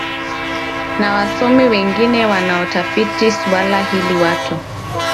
na wasomi wengine wanaotafiti suala hili watu